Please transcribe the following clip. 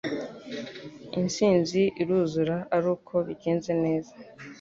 intsinzi iruzura aruko bigenze neza